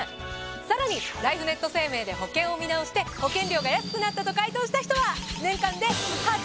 さらにライフネット生命で保険を見直して保険料が安くなったと回答した人は。